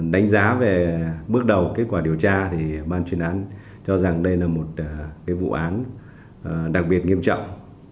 đánh giá về bước đầu kết quả điều tra thì ban chuyên án cho rằng đây là một vụ án đặc biệt nghiêm trọng